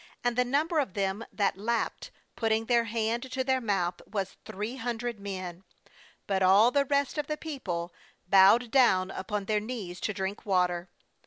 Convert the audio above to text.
6And the number of them that lapped, putting their hand to their mouth, was three hundred men; but all the rest of the people bowed down upon their knees to drink water.